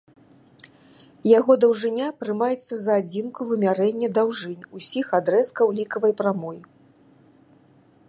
Яго даўжыня прымаецца за адзінку вымярэння даўжынь усіх адрэзкаў лікавай прамой.